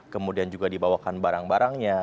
kemudian juga dibawakan barang barangnya